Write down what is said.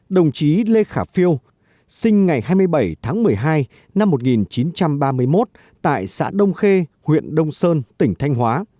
đồng chí lê khả phiêu sinh ngày hai mươi bảy tháng một mươi hai năm một nghìn chín trăm ba mươi một tại xã đông khê huyện đông sơn tỉnh thanh hóa